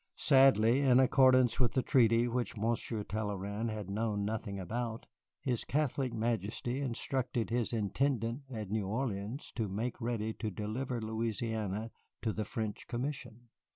Sadly, in accordance with the treaty which Monsieur Talleyrand had known nothing about, his Catholic Majesty instructed his Intendant at New Orleans to make ready to deliver Louisiana to the French Commission.